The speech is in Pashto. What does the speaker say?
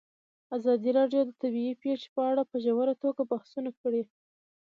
ازادي راډیو د طبیعي پېښې په اړه په ژوره توګه بحثونه کړي.